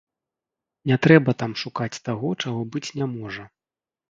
Не трэба там шукаць таго, чаго быць не можа.